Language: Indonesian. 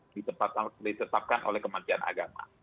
di tetapkan oleh kementerian agama